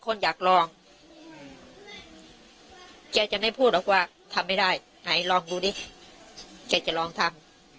คนอยากลองแกจะไม่พูดหรอกว่าทำไม่ได้ไหนลองดูดิแกจะลองทำ